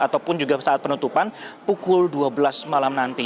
ataupun juga saat penutupan pukul dua belas malam nanti